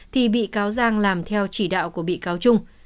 thì bị cáo giang làm theo chỉ đạo của bị cáo trung